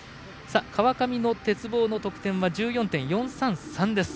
川上の鉄棒の得点は１４．４３３です。